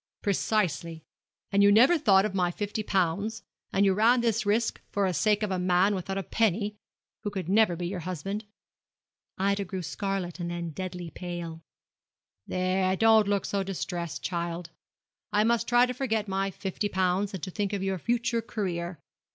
'Precisely! and you never thought of my fifty pounds, and you ran this risk for the sake of a young man without a penny, who never could be your husband.' Ida grew scarlet and then deadly pale. 'There, don't look so distressed, child. I must try to forget my fifty pounds, and to think of your future career.